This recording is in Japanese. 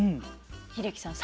英樹さん